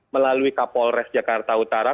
melalui kapolres jakarta utara